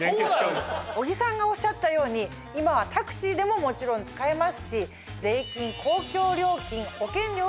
小木さんがおっしゃったように今はタクシーでももちろん使えますし。